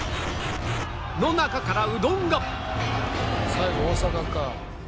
最後大阪か。